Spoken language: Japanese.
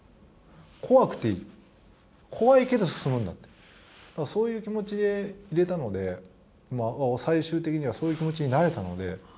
怖くていい、怖いけど進むんだって、そういう気持ちでいれたので、最終的にはそういう気持ちになれたので。